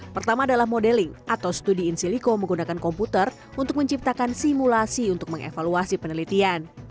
pertama adalah modeling atau studi insiliko menggunakan komputer untuk menciptakan simulasi untuk mengevaluasi penelitian